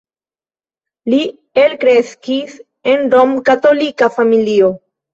Li elkreskis en rom-katolika familio.